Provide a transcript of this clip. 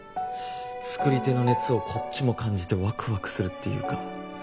作り手の熱をこっちも感じてワクワクするっていうか